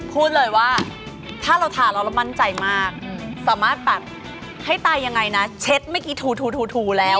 พูดเลยว่าถ้าเราทานแล้วเรามั่นใจมากสามารถแบบให้ตายยังไงนะเช็ดเมื่อกี้ถูแล้ว